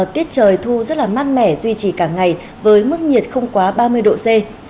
tiết trời thu rất là mát mẻ duy trì cả ngày với mức nhiệt không quá ba mươi độ c